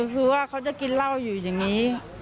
คือว่าเขาจะกินเหล้าอยู่อย่างนี้